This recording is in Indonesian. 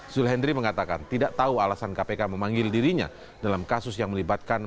zul hendri mengatakan tidak tahu alasan kpk memanggil dirinya dalam kasus yang melibatkan